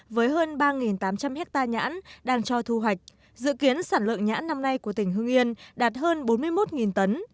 với hơn ba tám trăm linh hectare nhãn đang cho thu hoạch dự kiến sản lượng nhãn năm nay của tỉnh hưng yên đạt hơn bốn mươi một tấn